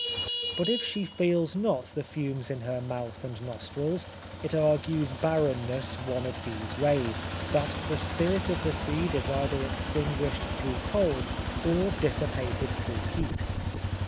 But if she feels not the fumes in her mouth and nostrils, it argues barrenness one of these ways that the spirit of the seed is either extinguished through cold, or dissipated through heat.